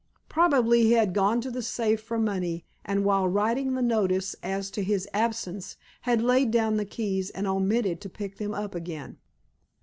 Probably, he had gone to the safe for money, and, while writing the notice as to his absence, had laid down the keys and omitted to pick them up again.